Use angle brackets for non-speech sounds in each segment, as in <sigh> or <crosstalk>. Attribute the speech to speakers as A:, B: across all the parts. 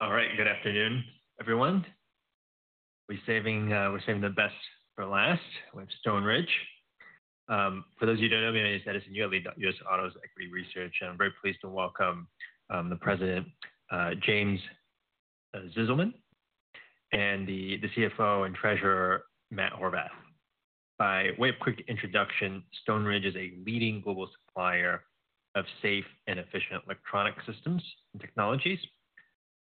A: All right. Good afternoon, everyone. We're saving the best for last with Stoneridge. For those of you who don't know me, my name is <audio distortion> Equity Research, and I'm very pleased to welcome the President, James Zizelman, and the CFO and Treasurer, Matt Horvath. By way of quick introduction, Stoneridge is a leading global supplier of safe and efficient electronic systems and technologies.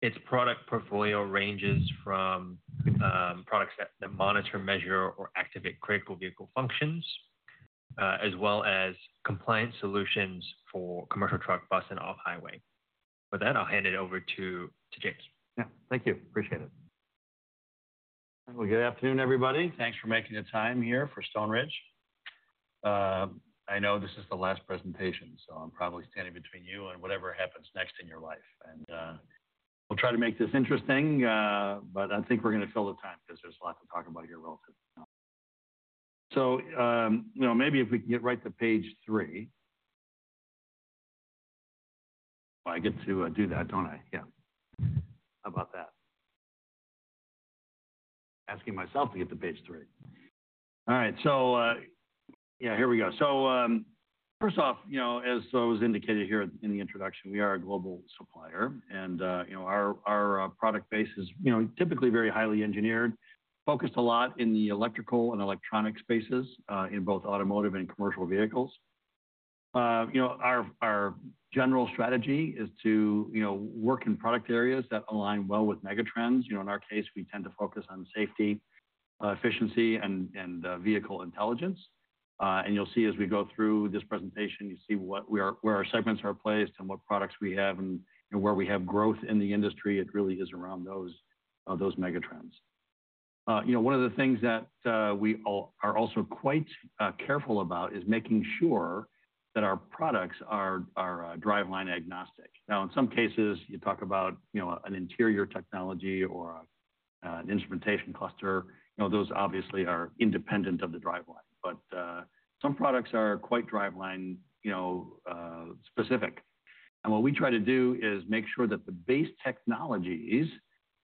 A: Its product portfolio ranges from products that monitor, measure, or activate critical vehicle functions, as well as compliance solutions for commercial truck, bus, and off-highway. With that, I'll hand it over to James.
B: Yeah, thank you. Appreciate it. Good afternoon, everybody. Thanks for making the time here for Stoneridge. I know this is the last presentation, so I'm probably standing between you and whatever happens next in your life. We'll try to make this interesting, but I think we're going to fill the time because there's a lot to talk about here relatively soon. Maybe if we can get right to page three. I get to do that, don't I? Yeah. How about that? Asking myself to get to page three. All right. Here we go. First off, as I was indicated here in the introduction, we are a global supplier. Our product base is typically very highly engineered, focused a lot in the electrical and electronic spaces in both automotive and commercial vehicles. Our general strategy is to work in product areas that align well with megatrends. In our case, we tend to focus on safety, efficiency, and vehicle intelligence. You will see as we go through this presentation, you see where our segments are placed and what products we have and where we have growth in the industry. It really is around those megatrends. One of the things that we are also quite careful about is making sure that our products are driveline agnostic. Now, in some cases, you talk about an interior technology or an instrumentation cluster. Those obviously are independent of the driveline. Some products are quite driveline specific. What we try to do is make sure that the base technologies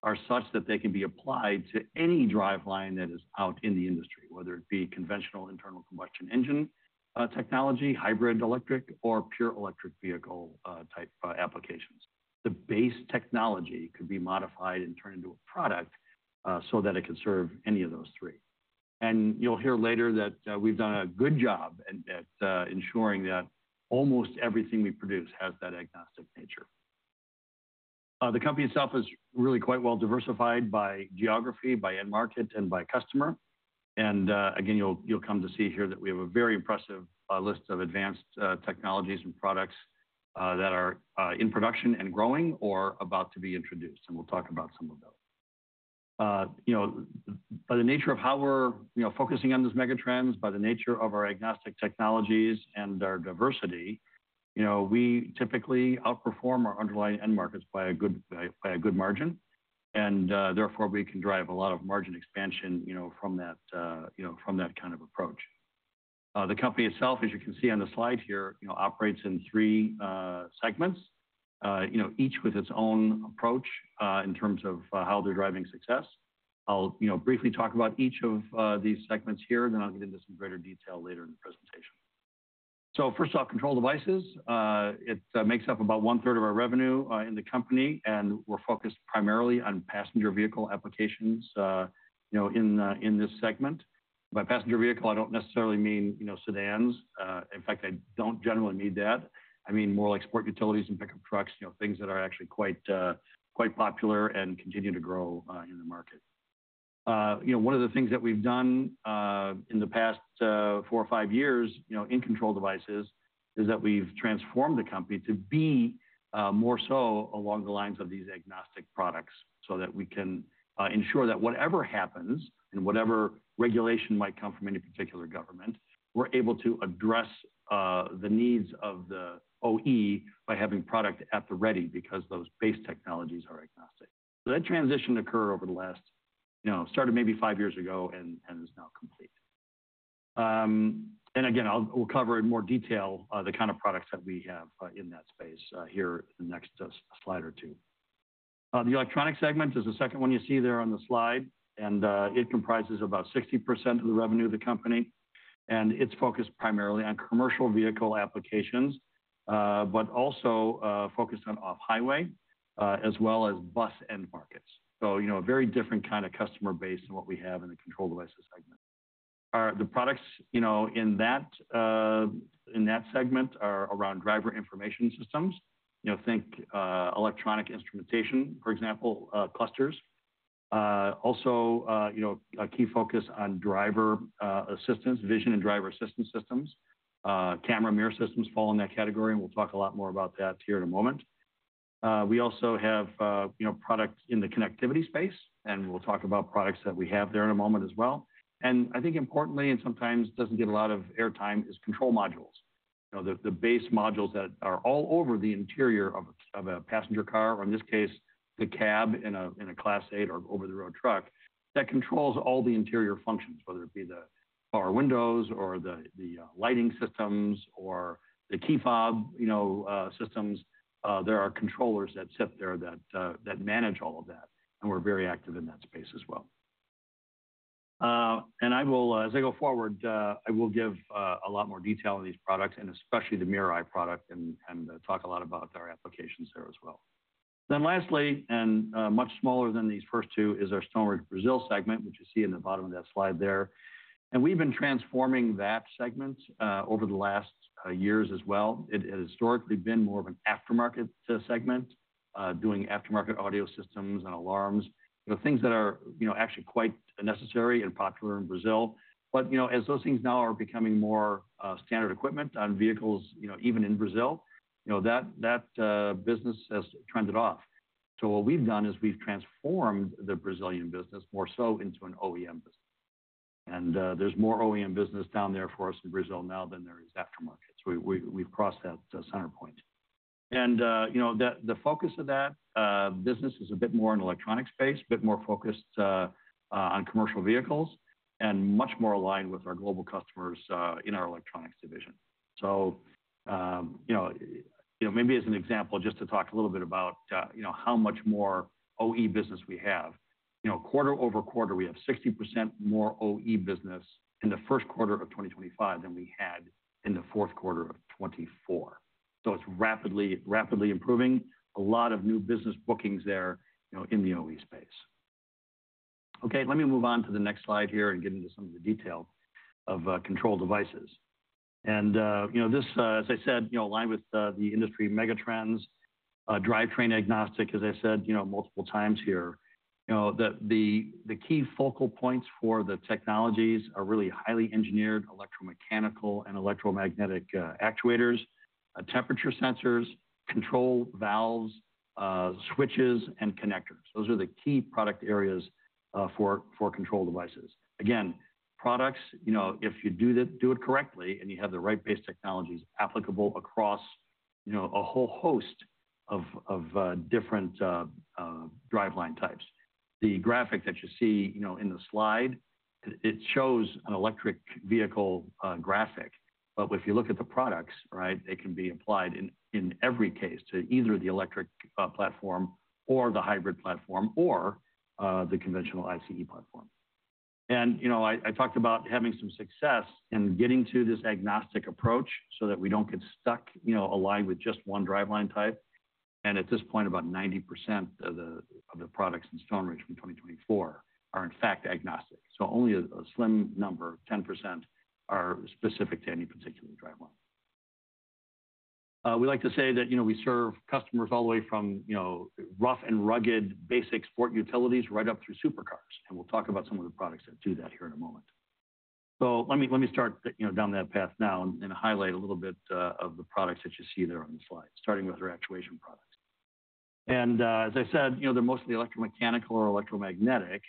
B: are such that they can be applied to any driveline that is out in the industry, whether it be conventional internal combustion engine technology, hybrid electric, or pure electric vehicle type applications. The base technology could be modified and turned into a product so that it can serve any of those three. You'll hear later that we've done a good job at ensuring that almost everything we produce has that agnostic nature. The company itself is really quite well diversified by geography, by end market, and by customer. You'll come to see here that we have a very impressive list of advanced technologies and products that are in production and growing or about to be introduced. We'll talk about some of those. By the nature of how we're focusing on these megatrends, by the nature of our agnostic technologies and our diversity, we typically outperform our underlying end markets by a good margin. Therefore, we can drive a lot of margin expansion from that kind of approach. The company itself, as you can see on the slide here, operates in three segments, each with its own approach in terms of how they're driving success. I'll briefly talk about each of these segments here, then I'll get into some greater detail later in the presentation. First off, Control Devices. It makes up about one-third of our revenue in the company. We're focused primarily on passenger vehicle applications in this segment. By passenger vehicle, I don't necessarily mean sedans. In fact, I don't generally mean that. I mean more like sport utilities and pickup trucks, things that are actually quite popular and continue to grow in the market. One of the things that we've done in the past four or five years in Control Devices is that we've transformed the company to be more so along the lines of these agnostic products so that we can ensure that whatever happens and whatever regulation might come from any particular government, we're able to address the needs of the OE by having product at the ready because those base technologies are agnostic. That transition occurred over the last, started maybe five years ago and is now complete. Again, we'll cover in more detail the kind of products that we have in that space here in the next slide or two. The electronic segment is the second one you see there on the slide. It comprises about 60% of the revenue of the company. It is focused primarily on commercial vehicle applications, but also focused on off-highway as well as bus end markets. A very different kind of customer base than what we have in the Control Devices segment. The products in that segment are around driver information systems. Think electronic instrumentation, for example, clusters. Also, a key focus on driver assistance, vision and driver assistance systems. Camera Mirror Systems fall in that category. We will talk a lot more about that here in a moment. We also have products in the connectivity space. We will talk about products that we have there in a moment as well. I think importantly, and sometimes does not get a lot of airtime, is control modules. The base modules that are all over the interior of a passenger car, or in this case, the cab in a Class 8 or over-the-road truck that controls all the interior functions, whether it be the far windows or the lighting systems or the key fob systems. There are controllers that sit there that manage all of that. We are very active in that space as well. As I go forward, I will give a lot more detail on these products, and especially the MirrorEye product, and talk a lot about our applications there as well. Lastly, and much smaller than these first two, is our Stoneridge Brazil segment, which you see in the bottom of that slide there. We have been transforming that segment over the last years as well. It has historically been more of an aftermarket segment, doing aftermarket audio systems and alarms, things that are actually quite necessary and popular in Brazil. As those things now are becoming more standard equipment on vehicles, even in Brazil, that business has trended off. What we have done is we have transformed the Brazilian business more so into an OEM business. There is more OEM business down there for us in Brazil now than there is aftermarket. We have crossed that center point. The focus of that business is a bit more in the electronic space, a bit more focused on commercial vehicles, and much more aligned with our global customers in our electronics division. Maybe as an example, just to talk a little bit about how much more OE business we have, quarter-over-quarter, we have 60% more OE business in the first quarter of 2025 than we had in the fourth quarter of 2024. It is rapidly improving. A lot of new business bookings there in the OE space. Okay, let me move on to the next slide here and get into some of the detail of Control Devices. This, as I said, aligned with the industry megatrends, driveline agnostic, as I said multiple times here. The key focal points for the technologies are really highly engineered electromechanical and electromagnetic actuators, temperature sensors, control valves, switches, and connectors. Those are the key product areas for Control Devices. Again, products, if you do it correctly and you have the right base technologies, are applicable across a whole host of different driveline types. The graphic that you see in the slide, it shows an electric vehicle graphic. If you look at the products, right, they can be applied in every case to either the electric platform or the hybrid platform or the conventional ICE platform. I talked about having some success in getting to this agnostic approach so that we do not get stuck aligned with just one driveline type. At this point, about 90% of the products in Stoneridge from 2024 are in fact agnostic. Only a slim number, 10%, are specific to any particular driveline. We like to say that we serve customers all the way from rough and rugged basic sport utilities right up through supercars. We will talk about some of the products that do that here in a moment. Let me start down that path now and highlight a little bit of the products that you see there on the slide, starting with our actuation products. As I said, they're mostly electromechanical or electromagnetic.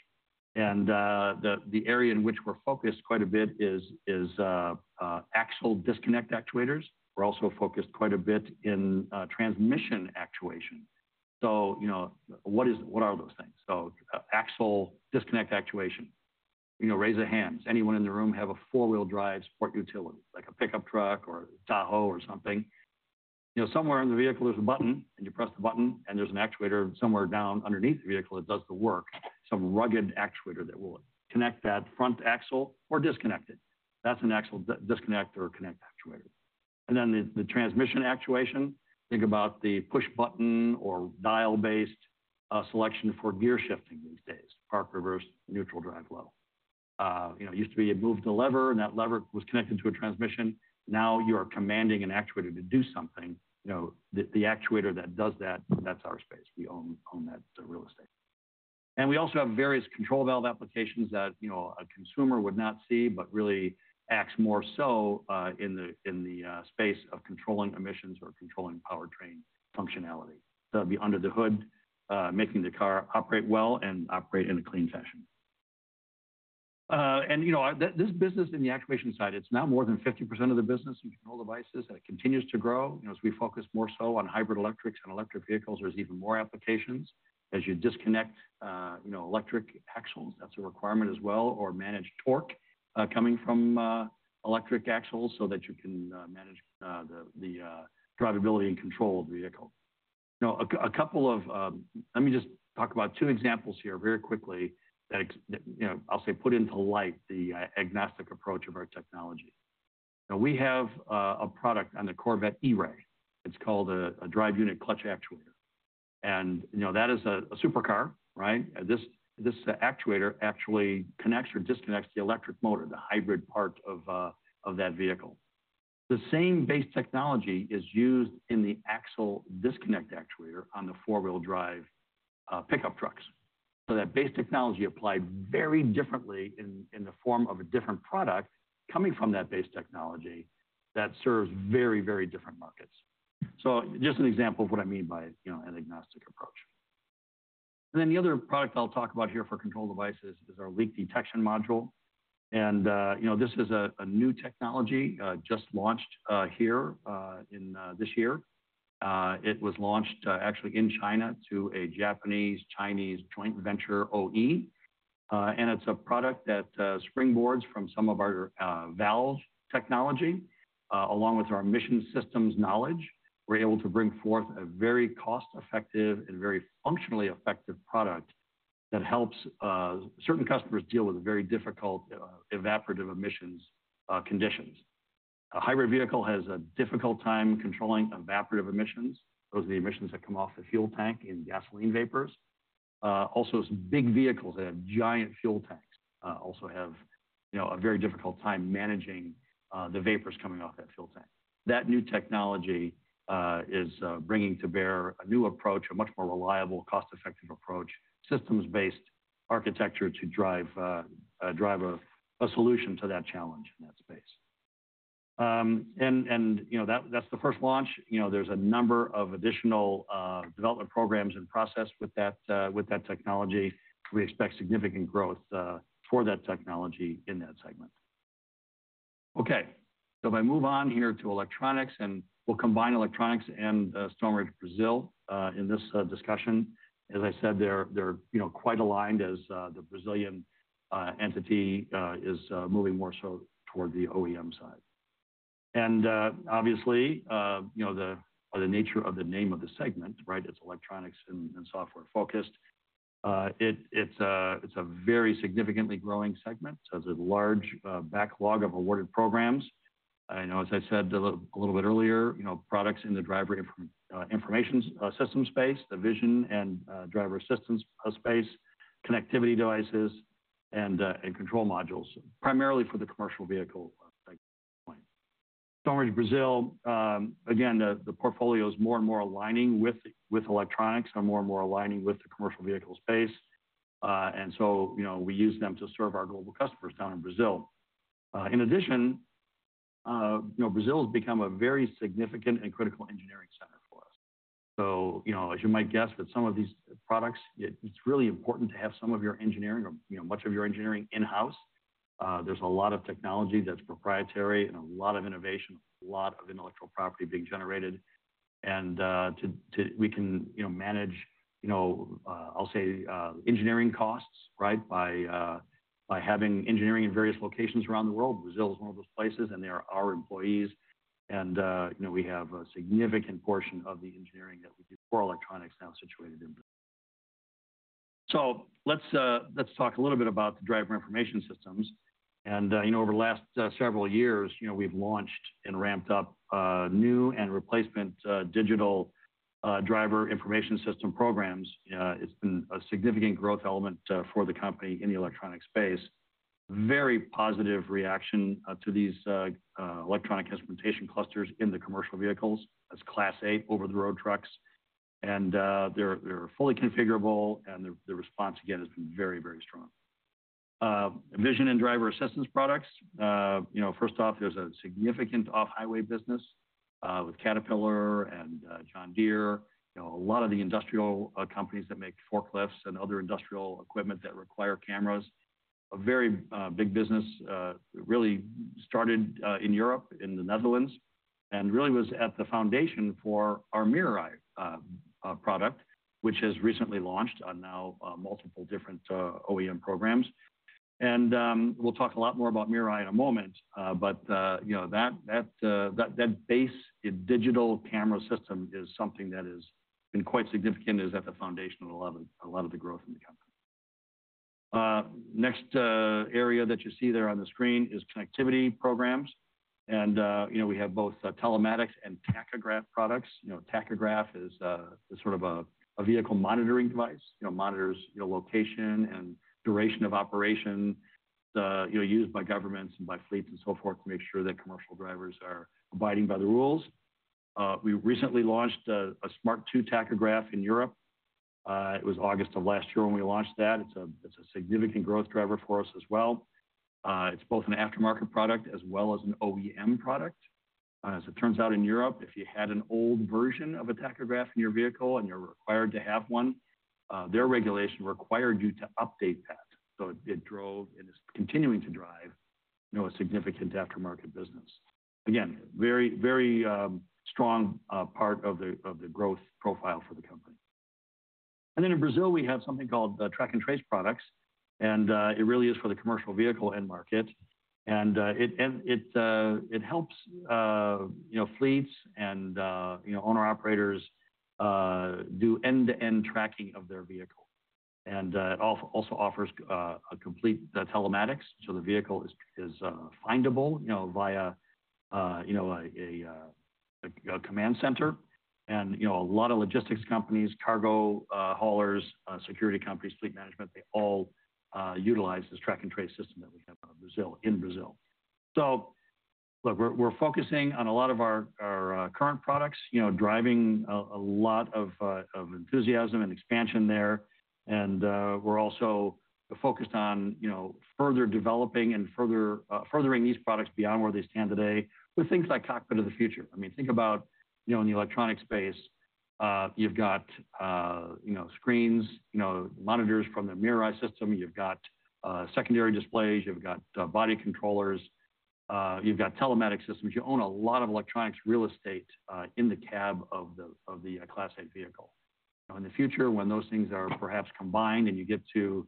B: The area in which we're focused quite a bit is axle disconnect actuators. We're also focused quite a bit in transmission actuation. What are those things? Axle disconnect actuation. Raise of hands. Anyone in the room have a four-wheel drive sport utility, like a pickup truck or Tahoe or something? Somewhere in the vehicle, there's a button, and you press the button, and there's an actuator somewhere down underneath the vehicle that does the work, some rugged actuator that will connect that front axle or disconnect it. That's an axle disconnect or connect actuator. The transmission actuation, think about the push button or dial-based selection for gear shifting these days, park, reverse, neutral, drive, level. It used to be it moved the lever, and that lever was connected to a transmission. Now you are commanding an actuator to do something. The actuator that does that, that's our space. We own that real estate. We also have various control valve applications that a consumer would not see but really acts more so in the space of controlling emissions or controlling powertrain functionality. That would be under the hood, making the car operate well and operate in a clean fashion. This business in the actuation side, it's now more than 50% of the business in Control Devices. It continues to grow. As we focus more so on hybrid electrics and electric vehicles, there's even more applications. As you disconnect electric axles, that's a requirement as well, or manage torque coming from electric axles so that you can manage the drivability and control of the vehicle. Let me just talk about two examples here very quickly that I'll say put into light the agnostic approach of our technology. We have a product on the Corvette E-Ray. It's called a drive unit clutch actuator. And that is a supercar, right? This actuator actually connects or disconnects the electric motor, the hybrid part of that vehicle. The same base technology is used in the axle disconnect actuator on the four-wheel drive pickup trucks. That base technology is applied very differently in the form of a different product coming from that base technology that serves very, very different markets. Just an example of what I mean by an agnostic approach. The other product I'll talk about here for Control Devices is our leak detection module. This is a new technology just launched here this year. It was launched actually in China to a Japanese-Chinese joint venture OE. It's a product that springboards from some of our valve technology. Along with our mission systems knowledge, we're able to bring forth a very cost-effective and very functionally effective product that helps certain customers deal with very difficult evaporative emissions conditions. A hybrid vehicle has a difficult time controlling evaporative emissions. Those are the emissions that come off the fuel tank and gasoline vapors. Also, big vehicles that have giant fuel tanks also have a very difficult time managing the vapors coming off that fuel tank. That new technology is bringing to bear a new approach, a much more reliable, cost-effective approach, systems-based architecture to drive a solution to that challenge in that space. That is the first launch. There are a number of additional development programs in process with that technology. We expect significant growth for that technology in that segment. Okay, if I move on here to electronics, and we'll combine electronics and Stoneridge Brazil in this discussion. As I said, they are quite aligned as the Brazilian entity is moving more so toward the OEM side. Obviously, the nature of the name of the segment, right, it is electronics and software focused. It is a very significantly growing segment. It has a large backlog of awarded programs. As I said a little bit earlier, products in the driver information system space, the vision and driver assistance space, connectivity devices, and control modules, primarily for the commercial vehicle segment. Stoneridge Brazil, again, the portfolio is more and more aligning with electronics and more and more aligning with the commercial vehicle space. We use them to serve our global customers down in Brazil. In addition, Brazil has become a very significant and critical engineering center for us. As you might guess, with some of these products, it is really important to have some of your engineering or much of your engineering in-house. There is a lot of technology that is proprietary and a lot of innovation, a lot of intellectual property being generated. We can manage, I'll say, engineering costs, right, by having engineering in various locations around the world. Brazil is one of those places, and they are our employees. We have a significant portion of the engineering that we do for electronics now situated in Brazil. Let's talk a little bit about the driver information systems. Over the last several years, we've launched and ramped up new and replacement digital driver information system programs. It's been a significant growth element for the company in the electronic space. Very positive reaction to these electronic instrumentation clusters in the commercial vehicles. That's Class 8 over-the-road trucks. They're fully configurable. The response, again, has been very, very strong. Vision and driver assistance products. First off, there's a significant off-highway business with Caterpillar and John Deere. A lot of the industrial companies that make forklifts and other industrial equipment that require cameras. A very big business really started in Europe in the Netherlands and really was at the foundation for our MirrorEye product, which has recently launched on now multiple different OEM programs. We will talk a lot more about MirrorEye in a moment. That base digital camera system is something that has been quite significant as at the foundation of a lot of the growth in the company. Next area that you see there on the screen is connectivity programs. We have both telematics and tachograph products. Tachograph is sort of a vehicle monitoring device. It monitors location and duration of operation used by governments and by fleets and so forth to make sure that commercial drivers are abiding by the rules. We recently launched a Smart 2 tachograph in Europe. It was August of last year when we launched that. It's a significant growth driver for us as well. It's both an aftermarket product as well as an OEM product. As it turns out in Europe, if you had an old version of a tachograph in your vehicle and you're required to have one, their regulation required you to update that. It drove and is continuing to drive a significant aftermarket business. Again, very, very strong part of the growth profile for the company. In Brazil, we have something called track and trace products. It really is for the commercial vehicle end market. It helps fleets and owner-operators do end-to-end tracking of their vehicle. It also offers complete telematics. The vehicle is findable via a command center. A lot of logistics companies, cargo haulers, security companies, fleet management, they all utilize this track and trace system that we have in Brazil. Look, we're focusing on a lot of our current products, driving a lot of enthusiasm and expansion there. We're also focused on further developing and furthering these products beyond where they stand today with things like cockpit of the future. I mean, think about in the electronic space, you've got screens, monitors from the MirrorEye system. You've got secondary displays. You've got body controllers. You've got telematic systems. You own a lot of electronics real estate in the cab of the Class 8 vehicle. In the future, when those things are perhaps combined and you get to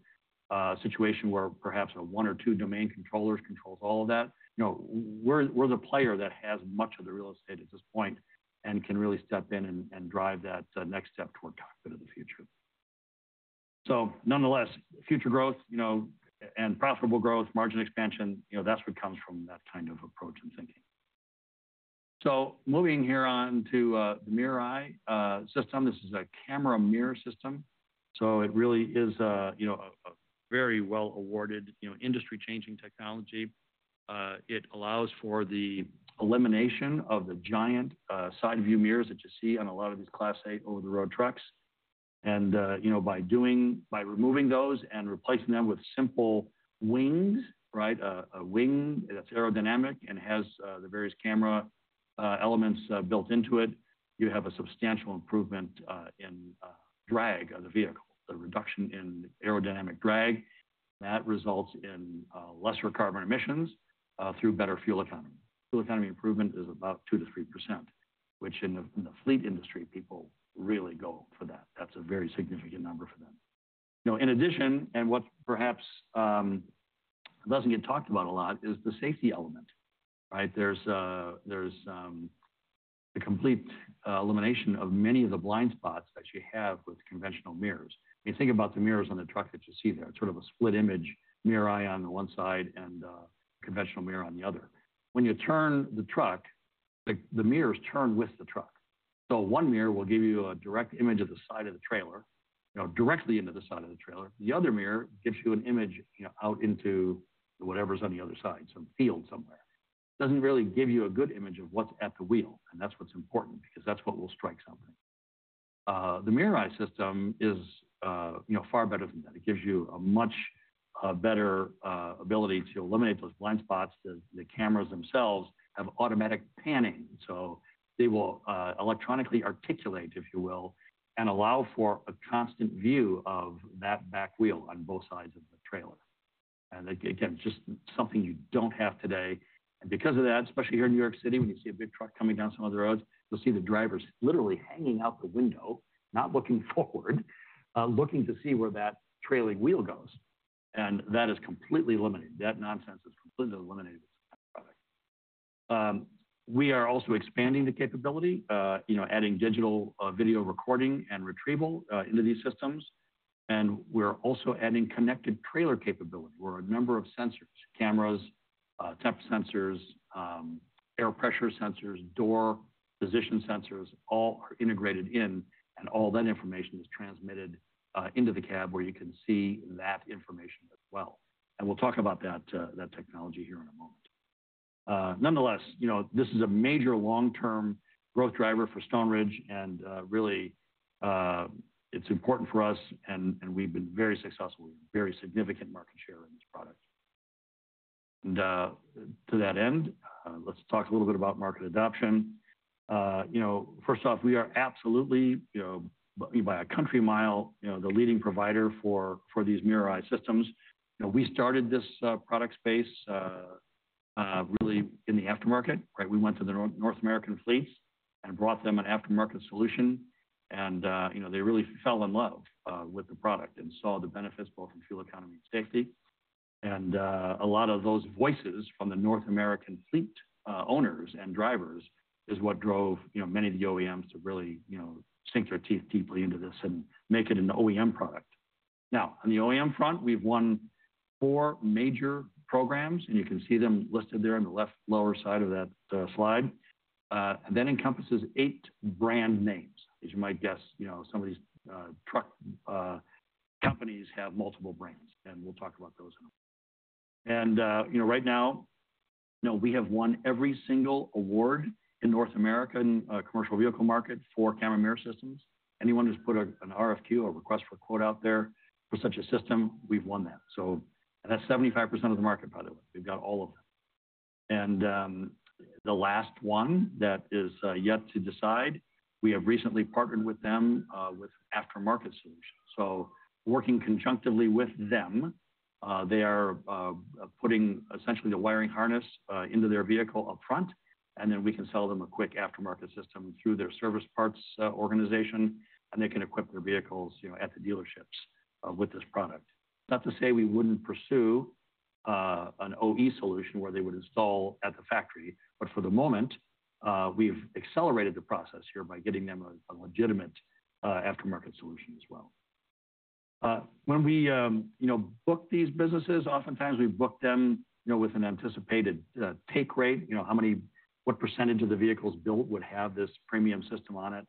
B: a situation where perhaps one or two domain controllers control all of that, we're the player that has much of the real estate at this point and can really step in and drive that next step toward cockpit of the future. Nonetheless, future growth and profitable growth, margin expansion, that's what comes from that kind of approach and thinking. Moving here on to the MirrorEye system. This is a Camera Mirror System. It really is a very well-awarded, industry-changing technology. It allows for the elimination of the giant side-view mirrors that you see on a lot of these Class 8 over-the-road trucks. By removing those and replacing them with simple wings, right, a wing that's aerodynamic and has the various camera elements built into it, you have a substantial improvement in drag of the vehicle, the reduction in aerodynamic drag. That results in lesser carbon emissions through better fuel economy. Fuel economy improvement is about 2-3%, which in the fleet industry, people really go for that. That's a very significant number for them. In addition, and what perhaps does not get talked about a lot is the safety element, right? There is a complete elimination of many of the blind spots that you have with conventional mirrors. I mean, think about the mirrors on the truck that you see there. It is sort of a split image, MirrorEye on one side and conventional mirror on the other. When you turn the truck, the mirrors turn with the truck. So one mirror will give you a direct image of the side of the trailer, directly into the side of the trailer. The other mirror gives you an image out into whatever is on the other side, some field somewhere. Does not really give you a good image of what is at the wheel. And that is what is important because that is what will strike something. The MirrorEye system is far better than that. It gives you a much better ability to eliminate those blind spots. The cameras themselves have automatic panning. They will electronically articulate, if you will, and allow for a constant view of that back wheel on both sides of the trailer. Just something you do not have today. Because of that, especially here in New York City, when you see a big truck coming down some of the roads, you will see the drivers literally hanging out the window, not looking forward, looking to see where that trailing wheel goes. That is completely eliminated. That nonsense is completely eliminated with this kind of product. We are also expanding the capability, adding digital video recording and retrieval into these systems. We are also adding connected trailer capability. A number of sensors, cameras, temp sensors, air pressure sensors, door position sensors, all are integrated in. All that information is transmitted into the cab where you can see that information as well. We will talk about that technology here in a moment. Nonetheless, this is a major long-term growth driver for Stoneridge. It is really important for us. We have been very successful. We have a very significant market share in this product. To that end, let's talk a little bit about market adoption. First off, we are absolutely, by a country mile, the leading provider for these MirrorEye systems. We started this product space really in the aftermarket, right? We went to the North American fleets and brought them an aftermarket solution. They really fell in love with the product and saw the benefits both in fuel economy and safety. A lot of those voices from the North American fleet owners and drivers is what drove many of the OEMs to really sink their teeth deeply into this and make it an OEM product. Now, on the OEM front, we've won four major programs. You can see them listed there in the left lower side of that slide. That encompasses eight brand names. As you might guess, some of these truck companies have multiple brands. We'll talk about those in a moment. Right now, we have won every single award in North America in the commercial vehicle market for Camera Mirror Systems. Anyone just put an RFQ, a request for quote out there for such a system, we've won that. That's 75% of the market, by the way. We've got all of them. The last one that is yet to decide, we have recently partnered with them with aftermarket solutions. Working conjunctively with them, they are putting essentially the wiring harness into their vehicle upfront. Then we can sell them a quick aftermarket system through their service parts organization. They can equip their vehicles at the dealerships with this product. Not to say we would not pursue an OE solution where they would install at the factory. For the moment, we have accelerated the process here by getting them a legitimate aftermarket solution as well. When we book these businesses, oftentimes we book them with an anticipated take rate, what percentage of the vehicles built would have this premium system on it.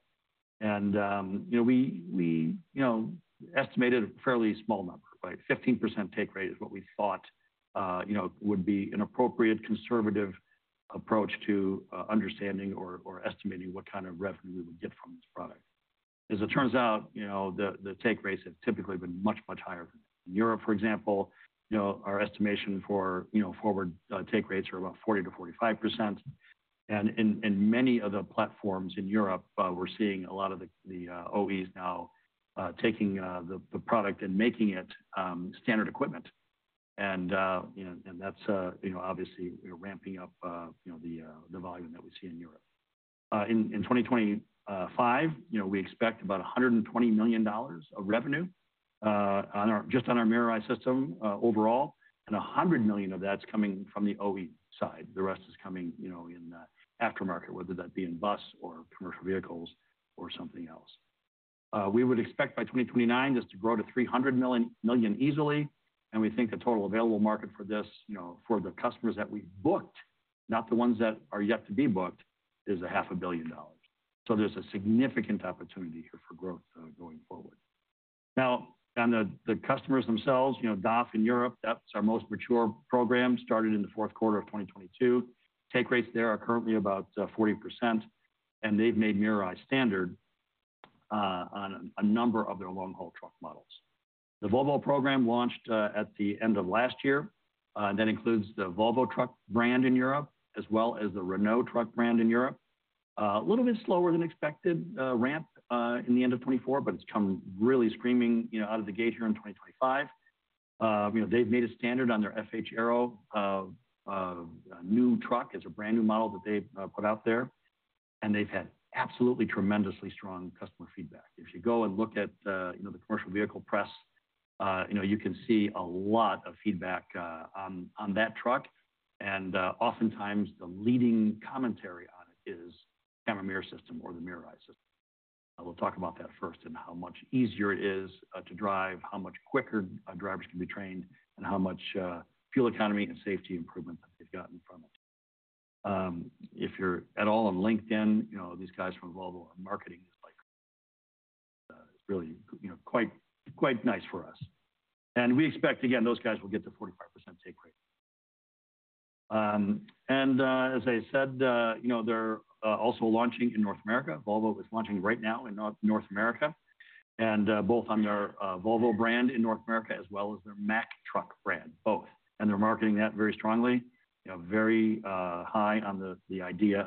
B: We estimated a fairly small number, right? 15% take rate is what we thought would be an appropriate conservative approach to understanding or estimating what kind of revenue we would get from this product. As it turns out, the take rates have typically been much, much higher than that. In Europe, for example, our estimation for forward take rates are about 40-45%. In many of the platforms in Europe, we are seeing a lot of the OEs now taking the product and making it standard equipment. That is obviously ramping up the volume that we see in Europe. In 2025, we expect about $120 million of revenue just on our MirrorEye system overall. $100 million of that is coming from the OE side. The rest is coming in aftermarket, whether that be in bus or commercial vehicles or something else. We would expect by 2029 this to grow to $300 million easily. We think the total available market for this, for the customers that we have booked, not the ones that are yet to be booked, is $500,000,000. There is a significant opportunity here for growth going forward. Now, on the customers themselves, DAF in Europe, that is our most mature program, started in the fourth quarter of 2022. Take rates there are currently about 40%. They have made MirrorEye standard on a number of their long-haul truck models. The Volvo program launched at the end of last year. That includes the Volvo Trucks brand in Europe, as well as the Renault Trucks brand in Europe. A little bit slower than expected ramp in the end of 2024, but it has come really screaming out of the gate here in 2025. They've made it standard on their FH Aero new truck as a brand new model that they put out there. They've had absolutely tremendously strong customer feedback. If you go and look at the commercial vehicle press, you can see a lot of feedback on that truck. Oftentimes, the leading commentary on it is Camera Mirror System or the MirrorEye system. We'll talk about that first and how much easier it is to drive, how much quicker drivers can be trained, and how much fuel economy and safety improvement that they've got in front of them. If you're at all on LinkedIn, these guys from Volvo are marketing it like really quite nice for us. We expect, again, those guys will get the 45% take rate. As I said, they're also launching in North America. Volvo is launching right now in North America. Both on their Volvo brand in North America as well as their Mack Trucks brand, both. They are marketing that very strongly, very high on the idea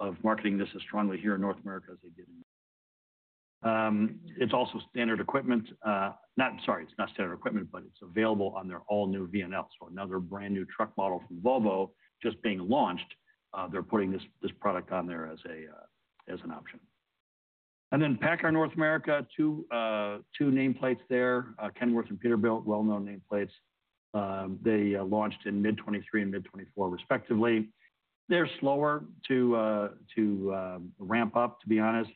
B: of marketing this as strongly here in North America as they did in North America. It is also standard equipment. Sorry, it is not standard equipment, but it is available on their all-new VNL. Another brand new truck model from Volvo just being launched, they are putting this product on there as an option. PACCAR North America, two nameplates there, Kenworth and Peterbilt, well-known nameplates. They launched in mid-2023 and mid-2024 respectively. They are slower to ramp up, to be honest.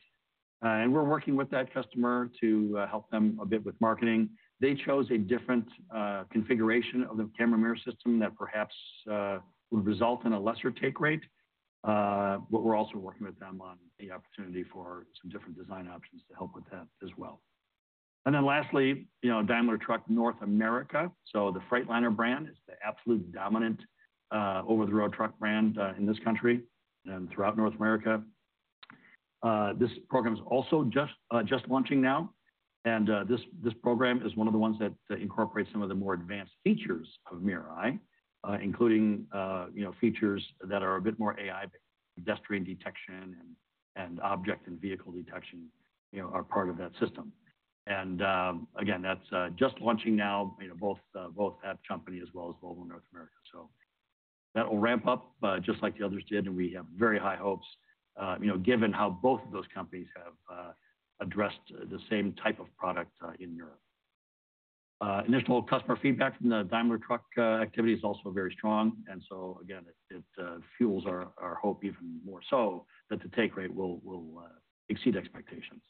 B: We are working with that customer to help them a bit with marketing. They chose a different configuration of the Camera Mirror System that perhaps would result in a lesser take rate. We're also working with them on the opportunity for some different design options to help with that as well. Lastly, Daimler Truck North America. The Freightliner brand is the absolute dominant over-the-road truck brand in this country and throughout North America. This program is also just launching now. This program is one of the ones that incorporates some of the more advanced features of MirrorEye, including features that are a bit more AI-based, pedestrian detection, and object and vehicle detection are part of that system. Again, that's just launching now, both at that company as well as Volvo North America. That will ramp up just like the others did. We have very high hopes, given how both of those companies have addressed the same type of product in Europe. Initial customer feedback from the Daimler Truck activity is also very strong. It fuels our hope even more so that the take rate will exceed expectations.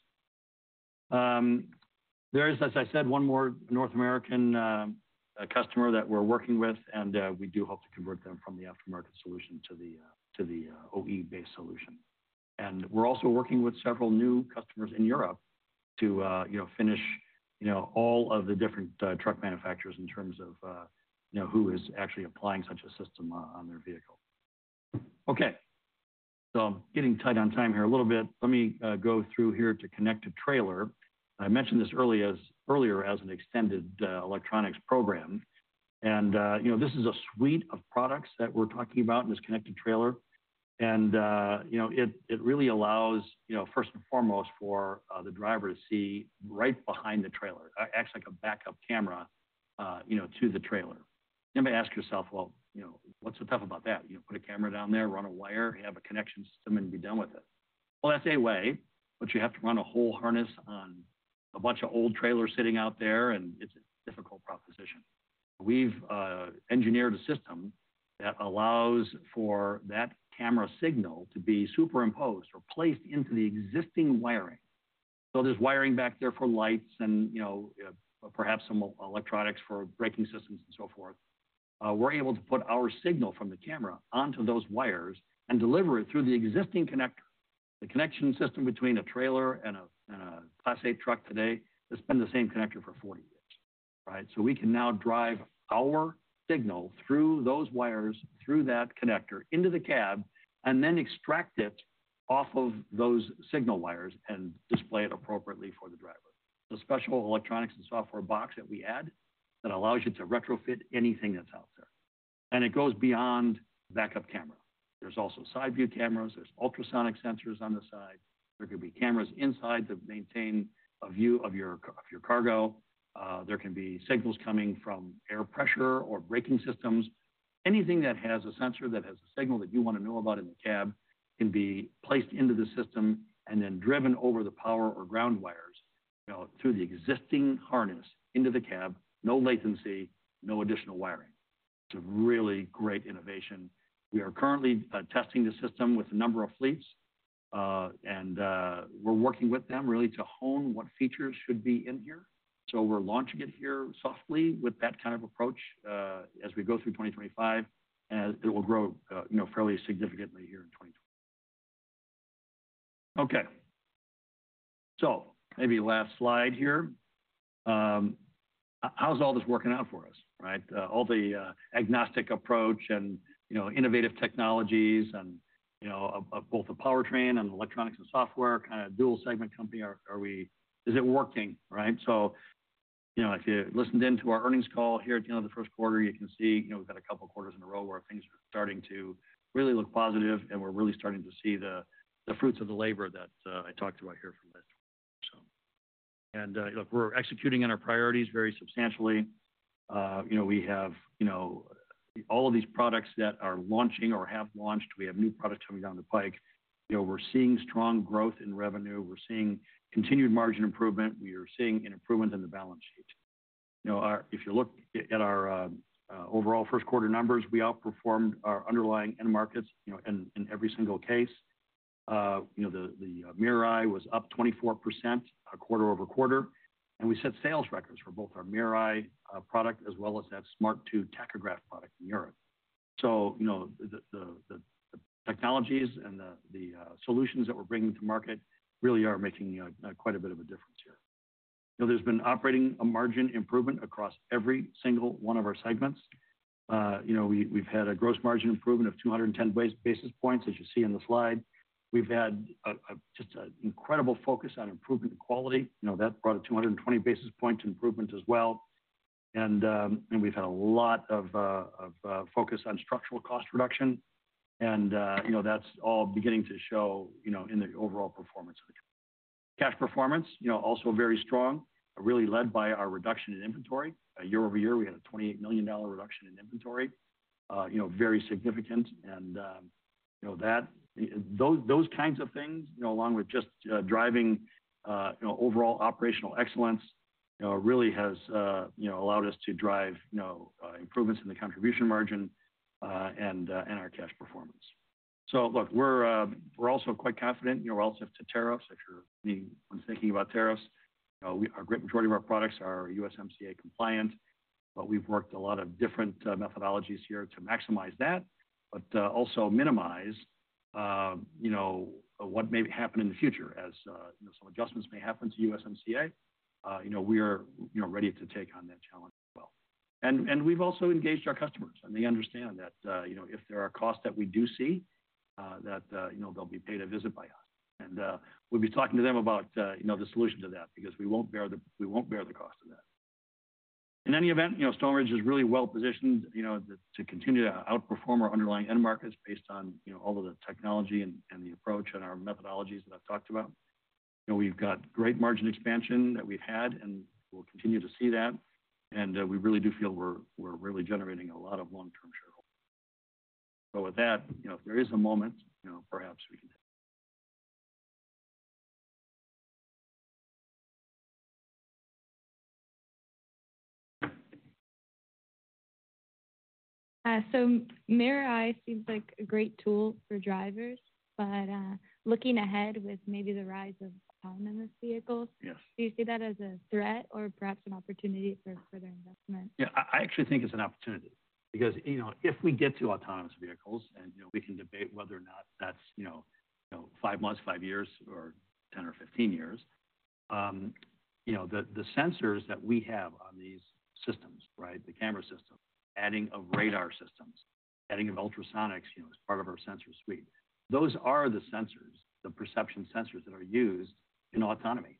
B: There is, as I said, one more North American customer that we're working with. We do hope to convert them from the aftermarket solution to the OE-based solution. We're also working with several new customers in Europe to finish all of the different truck manufacturers in terms of who is actually applying such a system on their vehicle. Okay, I'm getting tight on time here a little bit. Let me go through here to connected trailer. I mentioned this earlier as an extended electronics program. This is a suite of products that we're talking about in this connected trailer. It really allows, first and foremost, for the driver to see right behind the trailer. It acts like a backup camera to the trailer. You may ask yourself, "Well, what's so tough about that? Put a camera down there, run a wire, have a connection system, and be done with it." That is a way. You have to run a whole harness on a bunch of old trailers sitting out there. It is a difficult proposition. We have engineered a system that allows for that camera signal to be superimposed or placed into the existing wiring. There is wiring back there for lights and perhaps some electronics for braking systems and so forth. We are able to put our signal from the camera onto those wires and deliver it through the existing connector. The connection system between a trailer and a Class 8 truck today, it has been the same connector for 40 years, right? We can now drive our signal through those wires, through that connector, into the cab, and then extract it off of those signal wires and display it appropriately for the driver. It's a special electronics and software box that we add that allows you to retrofit anything that's out there. It goes beyond backup camera. There's also side view cameras, there's ultrasonic sensors on the side. There can be cameras inside to maintain a view of your cargo. There can be signals coming from air pressure or braking systems. Anything that has a sensor that has a signal that you want to know about in the cab can be placed into the system and then driven over the power or ground wires through the existing harness into the cab, no latency, no additional wiring. It's a really great innovation. We are currently testing the system with a number of fleets. We are working with them really to hone what features should be in here. We are launching it here softly with that kind of approach as we go through 2025. It will grow fairly significantly here in 2025. Okay. Maybe last slide here. How's all this working out for us, right? All the agnostic approach and innovative technologies and both the powertrain and electronics and software, kind of dual segment company, is it working, right? If you listened into our earnings call here at the end of the first quarter, you can see we have got a couple of quarters in a row where things are starting to really look positive. We are really starting to see the fruits of the labor that I talked about here from last quarter. Look, we're executing on our priorities very substantially. We have all of these products that are launching or have launched. We have new products coming down the pike. We're seeing strong growth in revenue. We're seeing continued margin improvement. We are seeing an improvement in the balance sheet. If you look at our overall first quarter numbers, we outperformed our underlying end markets in every single case. The MirrorEye was up 24% quarter-over-quarter. We set sales records for both our MirrorEye product as well as that Smart 2 tachograph product in Europe. The technologies and the solutions that we're bringing to market really are making quite a bit of a difference here. There has been operating margin improvement across every single one of our segments. We've had a gross margin improvement of 210 basis points, as you see on the slide. We've had just an incredible focus on improvement in quality. That brought a 220 basis point improvement as well. We've had a lot of focus on structural cost reduction. That's all beginning to show in the overall performance of the cash performance, also very strong, really led by our reduction in inventory. Year-over-year, we had a $28 million reduction in inventory, very significant. Those kinds of things, along with just driving overall operational excellence, really has allowed us to drive improvements in the contribution margin and our cash performance. Look, we're also quite confident relative to tariffs. If you're thinking about tariffs, a great majority of our products are USMCA compliant. We've worked a lot of different methodologies here to maximize that, but also minimize what may happen in the future as some adjustments may happen to USMCA. We are ready to take on that challenge as well. We have also engaged our customers. They understand that if there are costs that we do see, they will be paid a visit by us. We will be talking to them about the solution to that because we will not bear the cost of that. In any event, Stoneridge is really well positioned to continue to outperform our underlying end markets based on all of the technology and the approach and our methodologies that I have talked about. We have great margin expansion that we have had and will continue to see that. We really do feel we are really generating a lot of long-term shareholders. If there is a moment, perhaps we can take it. MirrorEye seems like a great tool for drivers, but looking ahead with maybe the rise of autonomous vehicles, do you see that as a threat or perhaps an opportunity for further investment? Yeah, I actually think it's an opportunity because if we get to autonomous vehicles and we can debate whether or not that's five months, five years, or 10 or 15 years, the sensors that we have on these systems, right, the camera system, adding of radar systems, adding of ultrasonics as part of our sensor suite, those are the sensors, the perception sensors that are used in autonomy,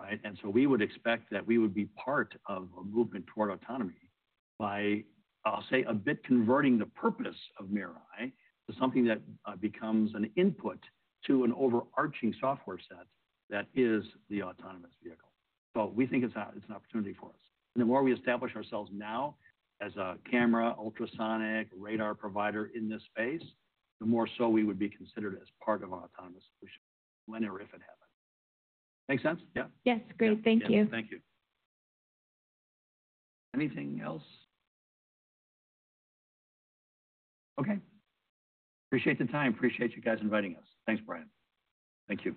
B: right? We would expect that we would be part of a movement toward autonomy by, I'll say, a bit converting the purpose of MirrorEye to something that becomes an input to an overarching software set that is the autonomous vehicle. We think it's an opportunity for us. The more we establish ourselves now as a camera, ultrasonic, radar provider in this space, the more so we would be considered as part of an autonomous solution when or if it happens. Makes sense? Yeah? Yes. Great. Thank you. Thank you. Anything else? Okay. Appreciate the time. Appreciate you guys inviting us. Thanks, Brian. Thank you.